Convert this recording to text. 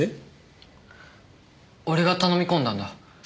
俺が頼み込んだんだ。